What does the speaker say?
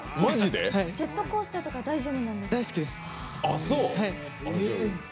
ジェットコースターとか大丈夫？